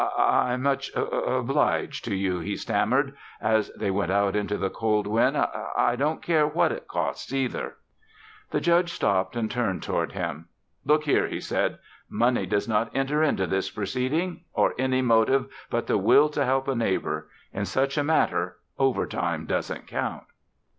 "I I'm much o obliged to you," he stammered as they went out into the cold wind. "I I don't care what it costs, either." The Judge stopped and turned toward him. "Look here," he said. "Money does not enter into this proceeding or any motive but the will to help a neighbor. In such a matter overtime doesn't count."